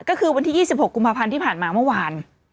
ก็คือวันที่ยี่สิบหกกุมภัพรรณที่ผ่านมาเมื่อวาน